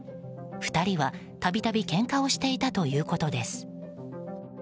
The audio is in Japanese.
２人は度々けんかをしていたということです。